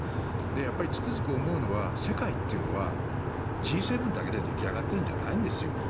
やっぱりつくづく思うのは世界というのはＧ７だけで出来上がっているんじゃないんですよ。